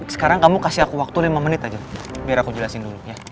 sekarang kamu kasih aku waktu lima menit aja biar aku jelasin dulu